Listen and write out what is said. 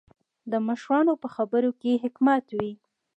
د مشرانو په خبرو کې حکمت وي.